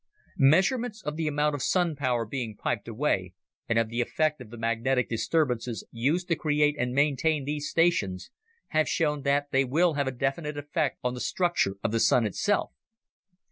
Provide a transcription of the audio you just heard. "Measurements of the amount of Sun power being piped away, and of the effect of the magnetic disturbances used to create and maintain these stations, have shown that they will have a definite effect on the structure of the Sun itself.